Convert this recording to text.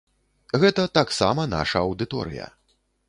Гэта таксама наша аўдыторыя.